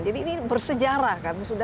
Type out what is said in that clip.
jadi ini bersejarah kan